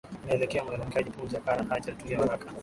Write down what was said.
Inaelekea mlalamikaji Punja Kara Haji alitumia waraka